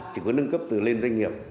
chỉ có nâng cấp từ lên doanh nghiệp